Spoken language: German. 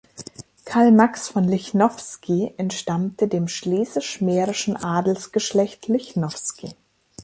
Karl Max von Lichnowsky entstammte dem schlesisch-mährischen Adelsgeschlecht Lichnowsky.